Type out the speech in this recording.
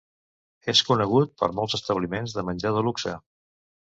És conegut per molts establiments de menjar de luxe.